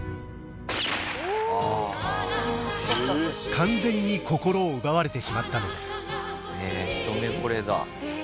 完全に心を奪われてしまったのですへえ一目惚れだ。